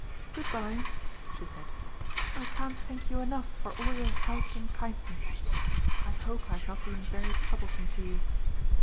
"Good bye," she said. "I can't thank you enough for all your help and kindness. I hope I have not been very troublesome to you."